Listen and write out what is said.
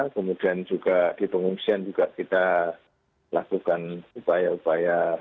kemudian juga di pengungsian juga kita lakukan upaya upaya